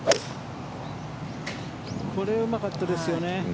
これ、うまかったですね。